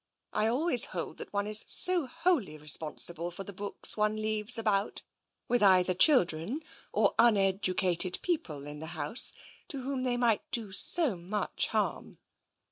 I always hold that one is so wholly responsible for the books one leaves about, with either children or uneducated people in the house, to whom they might do so much harm."